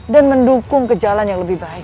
dan mendukung kejalan yang lebih baik